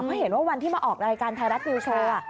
เพราะเห็นว่าวันที่มาออกรายการไทยรัฐนิวโชว์